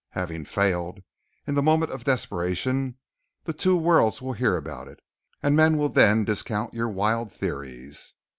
Having failed in the moment of desperation, the two worlds will hear about it, and men will then discount your wild theories."